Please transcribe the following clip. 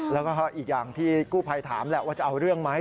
แล้วก็อีกอย่างที่กู้ภัยถามแหละว่าจะเอาเรื่องไหม